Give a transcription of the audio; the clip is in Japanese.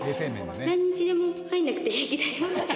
何日でも入んなくて平気だよって